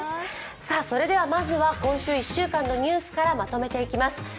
まずは今週１週間のニュースからまとめていきます。